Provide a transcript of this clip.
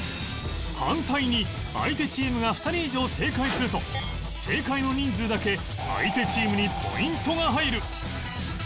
反対に相手チームが２人以上正解すると正解の人数だけ相手チームにポイントが入る